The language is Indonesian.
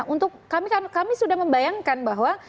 untuk kami sudah membayangkan bahwa